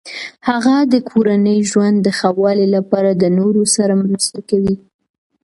هغه د کورني ژوند د ښه والي لپاره د نورو سره مرسته کوي.